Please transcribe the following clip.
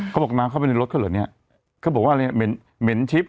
เขาบอกน้ำเข้าไปในรถมันนี้